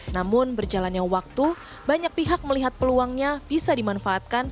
namun berjalannya waktu banyak pihak melihat peluangnya bisa dimanfaatkan